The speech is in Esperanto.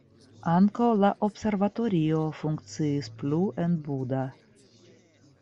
Ankaŭ la observatorio funkciis plu en Buda.